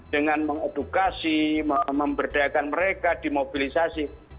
dengan mengedukasi memberdayakan mereka dimobilisasi